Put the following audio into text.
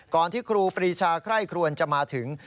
ที่ครูปรีชาไคร่ครวนจะมาถึง